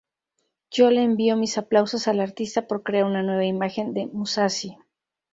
Yo le envío mis aplausos al artista por crear una nueva imagen de Musashi.